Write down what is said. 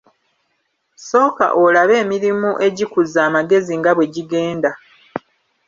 Sooka olabe emirimu egikuza amagezi nga bwe gigenda